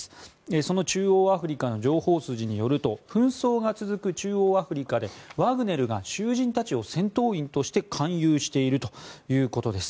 その中央アフリカの情報筋によると紛争が続く中央アフリカでワグネルが囚人たちを戦闘員として勧誘しているということです。